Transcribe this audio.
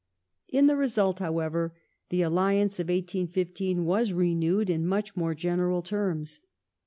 ^ In the result, however, the Alliance of 1815 was renewed in much more general terms.